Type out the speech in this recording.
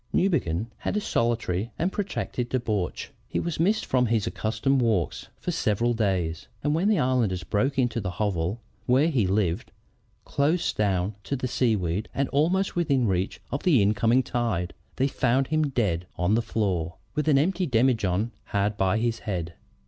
Newbegin had a solitary and protracted debauch. He was missed from his accustomed walks for several days, and when the islanders broke into the hovel where he lived, close down to the seaweed and almost within reach of the incoming tide, they found him dead on the floor, with an emptied demijohn hard by his head.